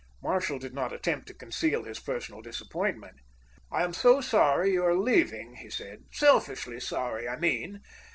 Marshall did not attempt to conceal his personal disappointment. "I am so sorry you are leaving," he said; "selfishly sorry, I mean.